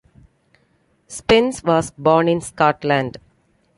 Spence was born in Scotland.